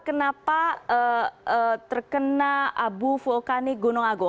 kenapa terkena abu vulkanik gunung agung